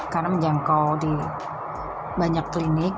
karena menjangkau di banyak klinik